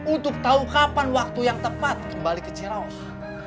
untuk tahu kapan waktu yang tepat kembali ke ciros